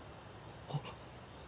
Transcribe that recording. あっ。